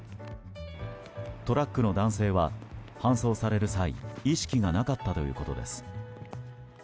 トラックの男性は搬送される際意識がなかったということです。